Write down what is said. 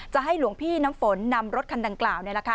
จะให้หลวงพี่น้ำฝนนำรถคันดังกล่าว